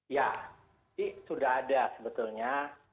ya sudah ada sebetulnya